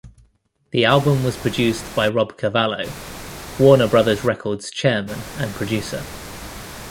The album was produced by Rob Cavallo, Warner Brothers Records' chairman and producer.